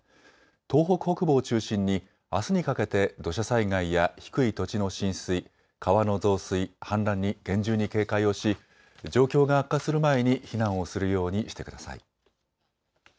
東北北部を中心にあすにかけて土砂災害や低い土地の浸水、川の増水、氾濫に厳重に警戒をし状況が悪化する前に避難をするようにしてください。